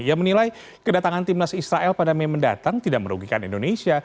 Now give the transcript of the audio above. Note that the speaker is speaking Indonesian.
ia menilai kedatangan timnas israel pada mei mendatang tidak merugikan indonesia